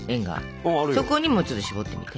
そこにもちょっとしぼってみて。